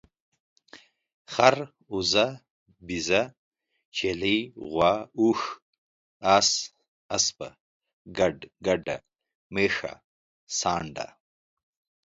خر، اوزه، بيزه ، چيلۍ ، غوا، اوښ، اس، اسپه، ګډ، ګډه، ميښه، سانډه